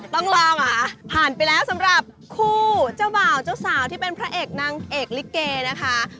ต้องรอเหรอผ่านไปแล้วสำหรับคู่เจ้าบ่าวเจ้าสาวที่เป็นพระเอกนางเอกลิเกนะคะ